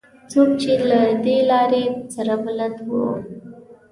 څوک چې له دې لارې سره بلد وو.